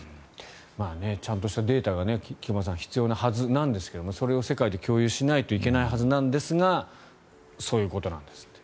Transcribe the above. ちゃんとしたデータが菊間さん、必要なはずなんですがそれを世界で共有しないといけないはずなんですがそういうことなんですって。